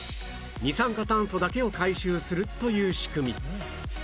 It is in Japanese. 二酸化炭素だけを回収するという仕組み